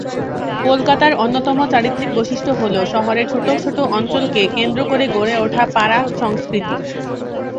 কলকাতার অন্যতম চারিত্রিক বৈশিষ্ট্য হল শহরের ছোটো ছোটো অঞ্চলকে কেন্দ্র করে গড়ে ওঠা "পাড়া" সংস্কৃতি।